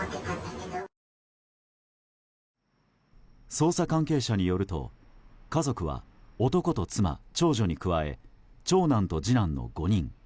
捜査関係者によると家族は男と妻、長女に加え長男と次男の５人。